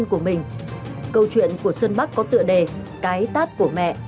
câu chuyện của xuân bắc có tựa đề cái tát của mẹ